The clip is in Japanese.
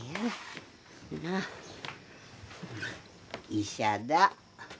医者だ。